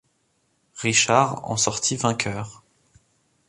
Richard en sorti vainqueur.